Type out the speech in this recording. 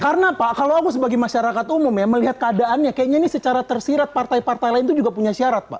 karena pak kalau aku sebagai masyarakat umum ya melihat keadaannya kayaknya ini secara tersirat partai partai lain itu juga punya syarat pak